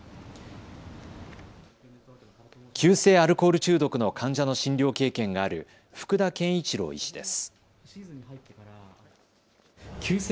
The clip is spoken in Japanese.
急性アルコール中毒の患者の診療経験がある福田賢一郎医師です。